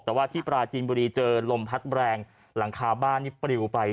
แต่ว่าที่ปราจีนบุรีเจอลมพัดแรงหลังคาบ้านนี่ปริวไป